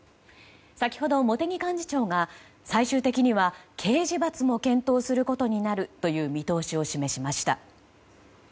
先ほど茂木幹事長が最終的には刑事罰も検討することになるという見通しを示しました。